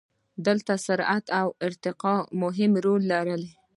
دلته سرعت او ارتفاع مهم رول لري.